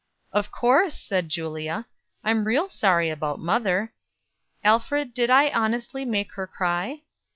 "Of course," said Julia, "I'm real sorry about mother. Alfred, did I, honestly, make her cry?"